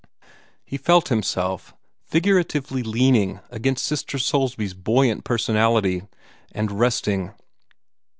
He felt himself figuratively leaning against Sister Soulsby's buoyant personality, and resting.